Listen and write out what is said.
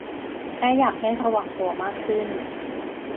แค่อยากให้ระวังตัวมากขึ้น